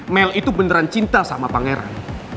mel itu beneran cinta sama pangeran